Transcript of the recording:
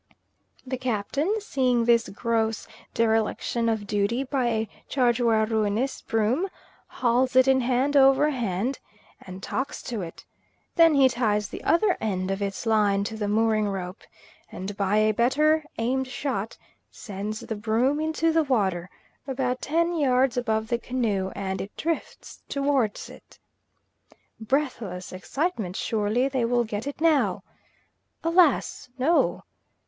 The Captain seeing this gross dereliction of duty by a Chargeur Reunis broom, hauls it in hand over hand and talks to it. Then he ties the other end of its line to the mooring rope, and by a better aimed shot sends the broom into the water, about ten yards above the canoe, and it drifts towards it. Breathless excitement! surely they will get it now. Alas, no!